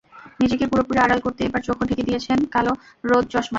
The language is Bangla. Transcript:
নিজেকে পুরোপুরি আড়াল করতে এবার চোখও ঢেকে দিয়েছেন কালো রোদ চশমায়।